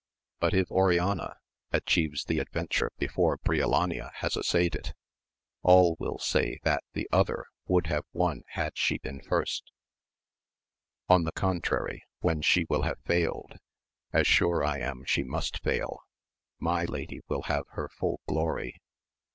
But if Oriana atchieves the adventure before Briolania has essayed it, all will say that the other would have won had she been first ; on the con trary, when she will have failed, as sure I am she must £Edl, my lady will have her full glory.